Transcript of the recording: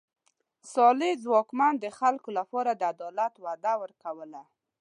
صالح واکمن د خلکو لپاره د عدالت وعده ورکوله.